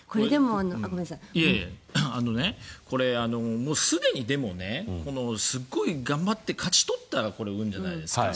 これ、すでにすっごい頑張って勝ち取った運じゃないですか。